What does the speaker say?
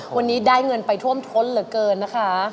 วันนี้ได้เงินไปท่วมท้นเหลือเกินนะคะ